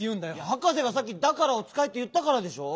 はかせがさっき「『だから』をつかえ」っていったからでしょ。